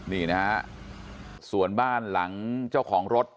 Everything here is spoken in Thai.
นี่นะฮะส่วนบ้านหลังเจ้าของรถ